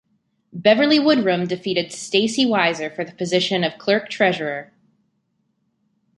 Beverly Woodrum defeated Stacy Weiser for the position of clerk-treasurer.